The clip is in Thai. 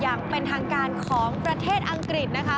อย่างเป็นทางการของประเทศอังกฤษนะคะ